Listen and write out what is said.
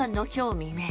未明